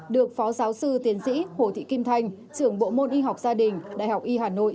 được phó giáo sư tiến sĩ hồ thị kim thanh trưởng bộ môn y học gia đình đại học y hà nội